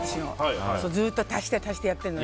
ずっと足して足してやってるの。